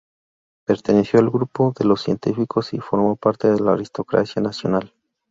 Perteneció al grupo de Los Científicos y formó parte de la aristocracia nacional.